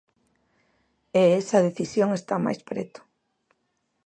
E esa decisión está máis preto.